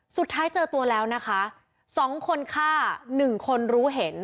สุดท้ายเจอตัวแล้วนะคะ๒คนฆ่า๑คนรู้เห็น